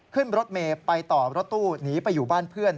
ขึ้นรถเมย์ไปต่อรถตู้หนีไปอยู่บ้านเพื่อน